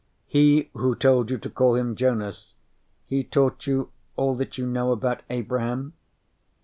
_ "He who told you to call him Jonas, he taught you all that you know about Abraham?"